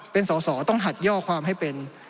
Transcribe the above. เป็นสอสอต้องหัดย่อความให้เป็น